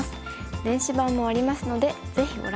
電子版もありますのでぜひご覧下さい。